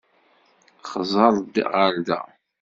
Xẓer-d ɣer da.